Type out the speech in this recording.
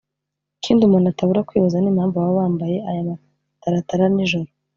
ikindi umuntu atabura kwibaza n’impamvu baba bambaye aya mataratara nijoro